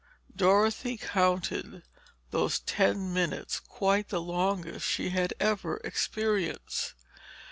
Dorothy counted those ten minutes quite the longest she had ever experienced.